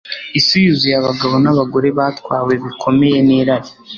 Isi yuzuye abagabo nabagore batwawe bikomeye nirari